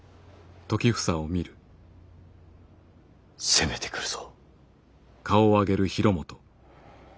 攻めてくるぞ。